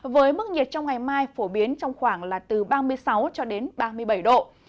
với mức nhiệt trong ngày mai phổ biến trong khoảng là từ ba mươi sáu ba mươi bảy độ